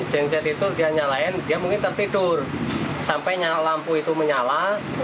genset itu dia nyalain dia mungkin tertidur sampai lampu itu menyala